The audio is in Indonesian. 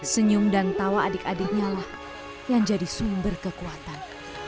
senyum dan tawa adik adiknya lah yang jadi sumber kekuatan